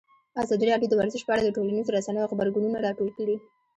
ازادي راډیو د ورزش په اړه د ټولنیزو رسنیو غبرګونونه راټول کړي.